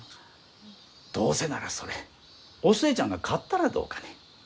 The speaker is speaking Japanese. どうせならそれお寿恵ちゃんが買ったらどうかね？